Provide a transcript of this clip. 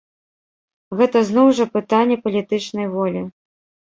Гэта зноў жа пытанне палітычнай волі.